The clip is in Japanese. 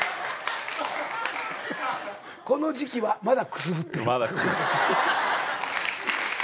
この時期はまだくすぶってる。